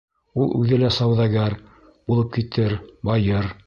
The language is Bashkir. Ул үҙе лә сауҙагәр булып китер, байыр...